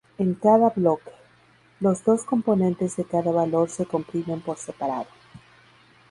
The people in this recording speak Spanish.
En cada bloque, los dos componentes de cada valor se comprimen por separado.